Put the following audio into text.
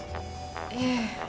ええ。